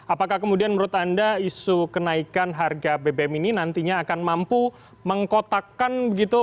apakah kemudian menurut anda isu kenaikan harga bbm ini nantinya akan mampu mengkotakkan begitu